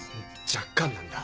若干なんだ。